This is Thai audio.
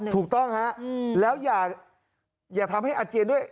ถูกต้องฮะแล้วอย่าทำให้อาเจียนด้วย